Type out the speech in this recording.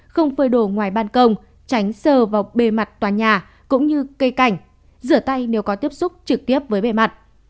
không phơi đổ ngoài ban công tránh sờ vào bề mặt tòa nhà cũng như cây cảnh rửa tay nếu có tiếp xúc trực tiếp với bề mặt